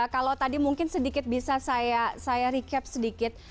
kalau tadi mungkin sedikit bisa saya recap sedikit